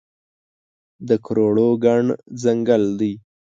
د کروړو ګڼ ځنګل دی